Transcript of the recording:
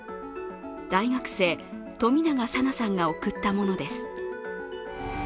大学生・冨永紗菜さんが送ったものです。